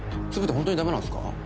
ホントにダメなんすか？